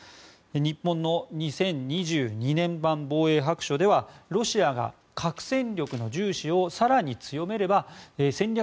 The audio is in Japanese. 日本の２０２２年版防衛白書ではロシアが核戦力の重視を更に強めれば戦略